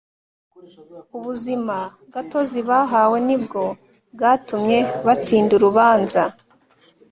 Ubuzima gatozi bahawe nibwo bwatumye batsinda urubanza